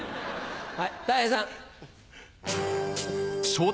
はいたい平さん。